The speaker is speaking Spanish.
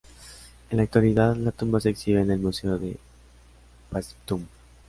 En la actualidad, la tumba se exhibe en el museo de Paestum.